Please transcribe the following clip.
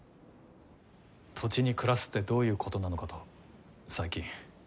土地に暮らすってどういうことなのかと最近。